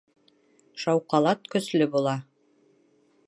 Шауҡалат көслө була